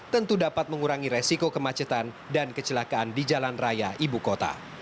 tentu dapat mengurangi resiko kemacetan dan kecelakaan di jalan raya ibu kota